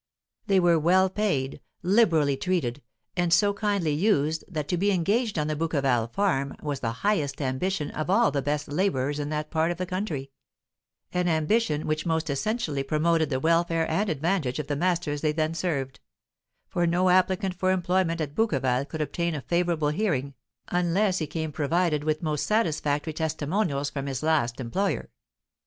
They were well paid, liberally treated, and so kindly used that to be engaged on the Bouqueval farm was the highest ambition of all the best labourers in that part of the country an ambition which most essentially promoted the welfare and advantage of the masters they then served; for no applicant for employment at Bouqueval could obtain a favourable hearing, unless he came provided with most satisfactory testimonials from his last employer.